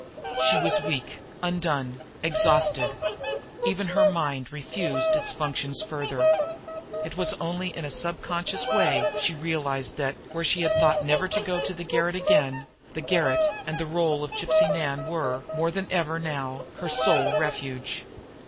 She was weak, undone, exhausted. Even her mind refused its functions further. It was only in a subconscious way she realized that, where she had thought never to go to the garret again, the garret and the role of Gypsy Nan were, more than ever now, her sole refuge.